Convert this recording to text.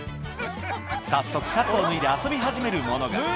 早速、シャツを脱いで遊び始める者が。